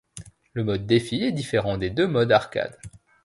Le mode Défis est différent des deux modes arcades.